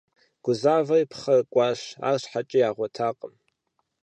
Гузавэри пхъэр кӀуащ, арщхьэкӀэ ягъуэтакъым.